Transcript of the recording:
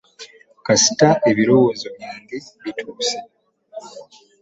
Kasita ebirowoozo byange bituuse.